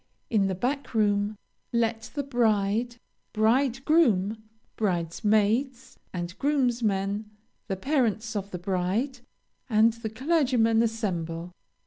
In the back room, let the bride, bridegroom, bridesmaids, and groomsmen, the parents of the bride, and the clergyman, assemble.